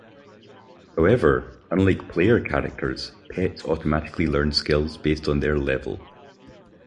However, unlike player characters, pets automatically learn skills based on their level.